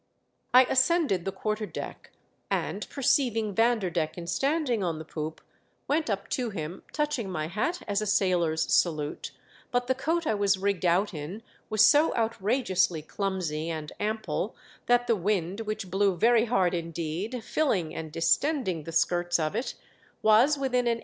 I ascended the quarter deck, and, per ceiving Vanderdecken standing on the poop, went up to him, touching my hat as a sailor's salute ; but the coat I was rigged out in was so outrageously clumsy and ample, that the wind, which blew very hard indeed, filling and distending the skirts of it, was within an I08 THE DEATH SHIP.